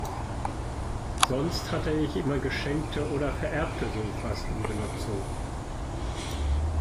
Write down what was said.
Sonst hatte ich immer geschenkte oder vererbte Sofas in Benutzung.